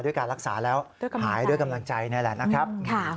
การรักษาแล้วหายด้วยกำลังใจนี่แหละนะครับ